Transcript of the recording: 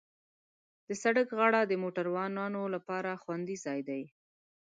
د سړک غاړه د موټروانو لپاره خوندي ځای دی.